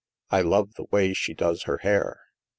" I love the way she does her hair.